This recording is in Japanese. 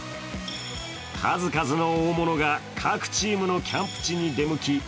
数々の大物が各チームのキャンプ地に出向き